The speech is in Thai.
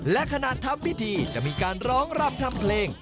และขนาดทำพิธีจะมีการร้องรำทำเพลง